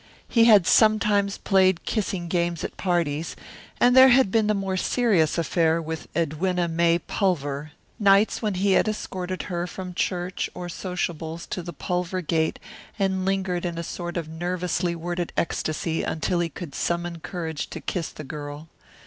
He had sometimes played kissing games at parties, and there had been the more serious affair with Edwina May Pulver nights when he had escorted her from church or sociables to the Pulver gate and lingered in a sort of nervously worded ecstasy until he could summon courage to kiss the girl.